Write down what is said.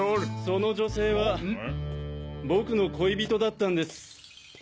その女性は僕の恋人だったんです。